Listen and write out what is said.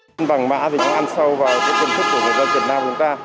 giấy vàng mã thì nó ăn sâu vào công thức của người dân việt nam của chúng ta